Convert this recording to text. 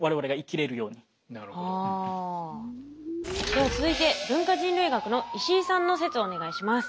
では続いて文化人類学の石井さんの説をお願いします。